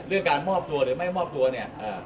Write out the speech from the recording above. การมอบตัวหรือไม่มอบตัวเนี่ย